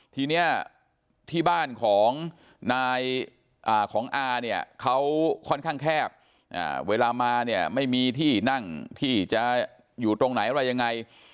ทีนี้ที่บ้านของนายของอาเนี่ยเขาค่อนข้างแคบเวลามาเนี่ยไม่มีที่นั่งที่จะอยู่ตรงไหนอะไรยังไง